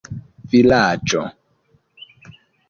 vilaĝo